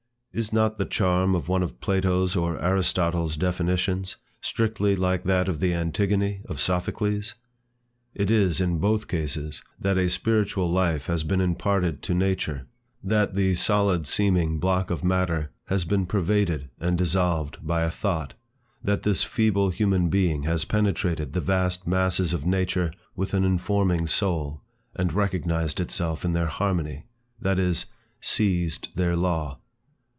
Is not the charm of one of Plato's or Aristotle's definitions, strictly like that of the Antigone of Sophocles? It is, in both cases, that a spiritual life has been imparted to nature; that the solid seeming block of matter has been pervaded and dissolved by a thought; that this feeble human being has penetrated the vast masses of nature with an informing soul, and recognised itself in their harmony, that is, seized their law.